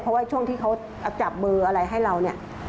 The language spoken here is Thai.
เพราะว่าช่วงที่เขาจับเบอร์อะไรให้เราเนี่ย